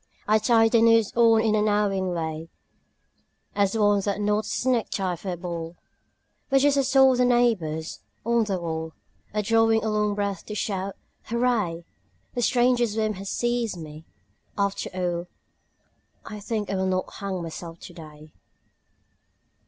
I tie the noose on in a knowing way As one that knots his necktie for a ball; But just as all the neighbours on the wall Are drawing a long breath to shout 'Hurray!' The strangest whim has seized me ... After all I think I will not hang myself today.